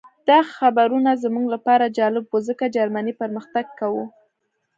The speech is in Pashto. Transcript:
دا خبرونه زموږ لپاره جالب وو ځکه جرمني پرمختګ کاوه